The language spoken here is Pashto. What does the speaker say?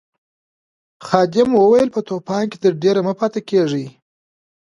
خادم وویل په طوفان کې تر ډېره مه پاتې کیږئ.